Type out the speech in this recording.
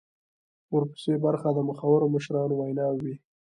ورپسې برخه د مخورو مشرانو ویناوي وې.